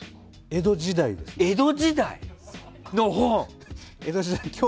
江戸時代の本！